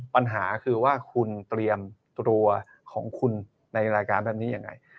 ปัญหาคือว่าคุณเตรียมตัวของคุณในรายการแบบนี้ยังไง